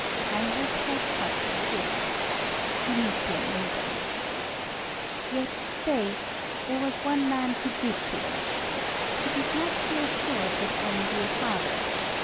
Heinrich felt quite secure. He need fear nobody. Yet stay; there was one man he did fear. He did not feel sure of his own dear father.